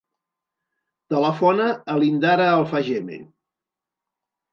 Telefona a l'Indara Alfageme.